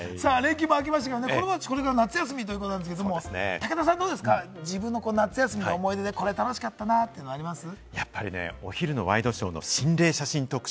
連休も明けましたけれども、子供たち、これから夏休みということですけれども、武田さんは自分の夏休みの思い出で、これ、楽しかったなというのありますか？